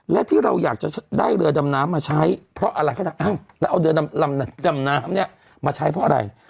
และที่เราอยากจะได้เรือดำน้ำมาใช้เพราะอะไรก็อ้าวแล้วเอาเรือดำน้ำเนี่ยมาใช้เพราะอะไร